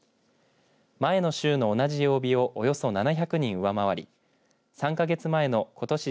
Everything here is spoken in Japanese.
前の週の同じ曜日をおよそ７００人上回り３か月前のことし